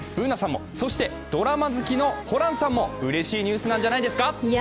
Ｂｏｏｎａさんも、そしてドラマ好きのホランさんもうれしいニュースなんじゃないですか？